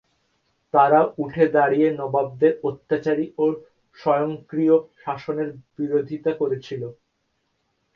তারা উঠে দাঁড়িয়ে নবাবদের অত্যাচারী ও স্বয়ংক্রিয় শাসনের বিরোধিতা করেছিল।